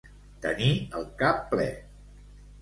Tenir el cap ple.